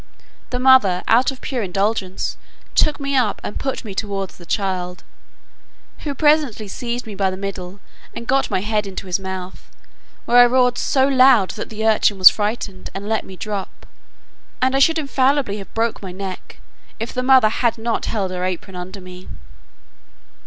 The mother, out of pure indulgence, took me up, and put me towards the child, who presently seized me by the middle, and got my head into his mouth, where I roared so loud that the urchin was frighted, and let me drop, and I should infallibly have broke my neck, if the mother had not held her apron under me.